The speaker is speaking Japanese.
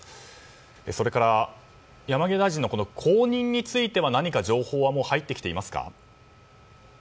それから山際大臣の後任については何か情報は入ってきていますか？